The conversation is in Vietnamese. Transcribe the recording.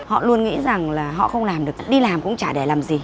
họ luôn nghĩ rằng họ không làm được đi làm cũng chả để làm gì